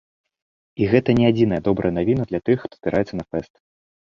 І гэта не адзіная добрая навіна для тых, хто збіраецца на фэст!